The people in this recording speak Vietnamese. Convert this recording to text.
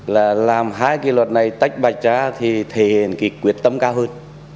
là làm hai cái luật này tách bạch ra thì thể hiện cái quyết tâm cao hơn